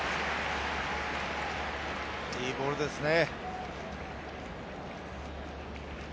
いいボールですね。